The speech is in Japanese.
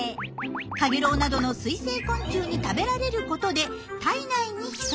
カゲロウなどの水生昆虫に食べられることで体内に潜みます。